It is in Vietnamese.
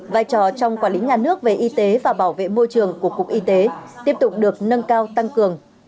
vai trò trong quản lý nhà nước về y tế và bảo vệ môi trường của cục y tế tiếp tục được nâng cao tăng cường